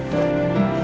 eh planning baru